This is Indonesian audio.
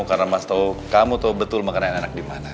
karena mas tahu kamu tahu betul makanan enak di mana